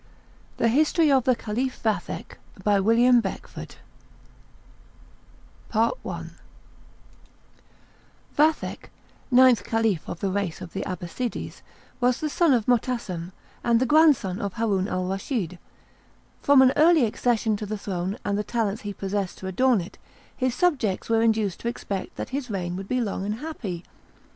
THE HISTORY OF THE CALIPH VATHEK Vathek, ninth Caliph of the race of the Abassides, was the son of Motassem, and the grandson of Haroun Al Raschid. From an early accession to the throne, and the talents he possessed to adorn it, his subjects were induced to expect that his reign would be long and happy.